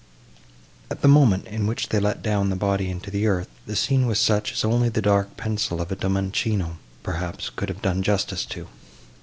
At the moment, in which they let down the body into the earth, the scene was such as only the dark pencil of a Domenichino, perhaps, could have done justice to.